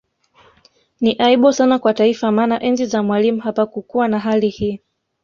Ni aibu sana kwa Taifa maana enzi za Mwalimu hapakukuwa na hali hii